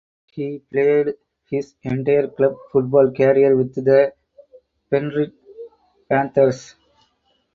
He played his entire club football career with the Penrith Panthers.